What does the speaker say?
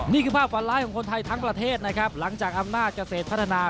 นี่คือภาพฝันร้ายของคนไทยทั้งประเทศนะครับหลังจากอำนาจเกษตรพัฒนา